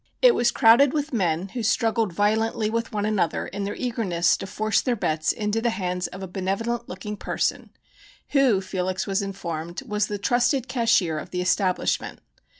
It was crowded with men who struggled violently with one another in their eagerness to force their bets into the hands of a benevolent looking person, who, Felix was informed, was the "trusted cashier" of the establishment.